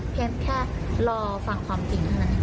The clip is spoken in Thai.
แค่รอฟังความจริงเท่านั้น